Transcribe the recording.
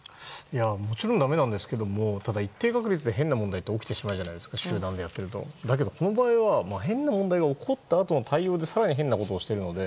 もちろん、だめなんですけどもただ、一定確率で変な問題って起きてしまうじゃないですか集団でやっていると。だけどこの場合は、変な問題が起こったあとの対応で更に変なことをしているので。